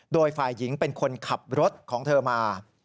โดยฝ่ายหญิงเป็นคนขับรถของเธอมา